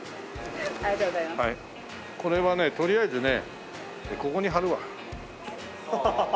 これはねとりあえずねここに貼るわ。